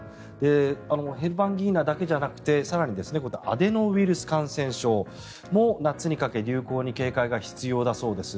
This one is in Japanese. ヘルパンギーナだけじゃなくて更に、アデノウイルス感染症も夏にかけ流行に警戒が必要だそうです。